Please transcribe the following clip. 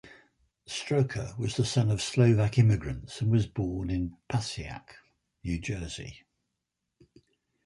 Stroka was the son of Slovak immigrants, and was born in Passaic, New Jersey.